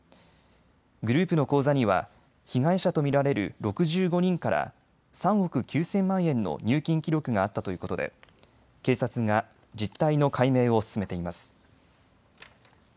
グループの口座には被害者と見られる６５人から３億９０００万円の入金記録があったということで警察が実態の解明を進めています。